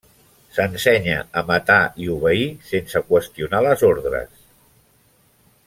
S'ensenya a matar i obeir sense qüestionar les ordres.